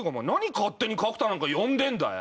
勝手に角田なんか呼んでんだよ？